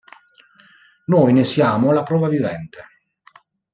Noi ne siamo la prova vivente.